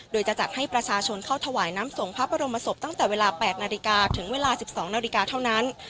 โดยจะจัดให้ประชาชนเข้าถวายน้ำส่งพระบรมศพตั้งแต่เวลา๘นาฬิกาถึงเวลา๑๒นาฬิกาเท่านั้น